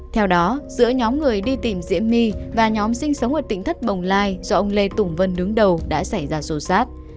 theo đó giữa nhóm người đi tìm diễm my và nhóm sinh sống ở tỉnh thất bồng lai do ông lê tùng vân đứng đầu đã xảy ra sổ sát